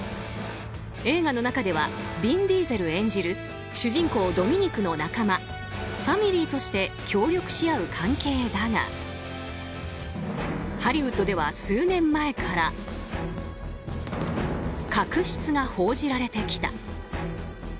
映画の中ではヴィン・ディーゼル演じる主人公ドミニクの仲間ファミリーとして協力し合う関係だがハリウッドでは数年前から確執が報じられてきた。